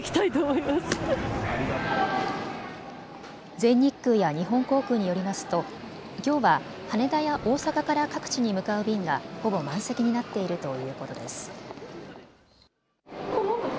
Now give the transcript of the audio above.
全日空や日本航空によりますときょうは羽田や大阪から各地に向かう便がほぼ満席になっているということです。